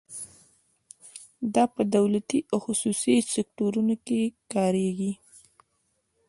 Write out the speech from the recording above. دا په دولتي او خصوصي سکتورونو کې کاریږي.